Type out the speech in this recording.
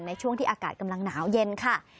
ในช่วงที่อากาศกำลังหนาวเย็นค่ะ